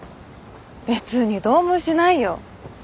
別にどうもしないよ。